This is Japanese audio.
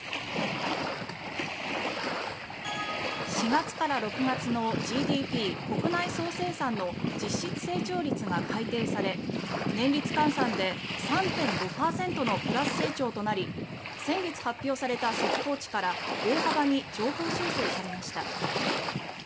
４月から６月のＧＤＰ・国内総生産の実質成長率が改定され年率換算で３．５％のプラス成長となり先月発表された速報値から大幅に上方修正されました。